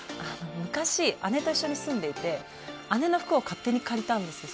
昔姉と一緒に住んでいて姉の服を勝手に借りたんですよ。